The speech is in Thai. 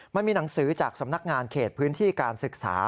มันมีหนังสือจากสำนักงานเขตพื้นที่การศึกษา